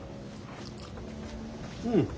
うん。